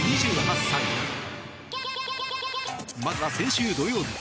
まずは、先週土曜日。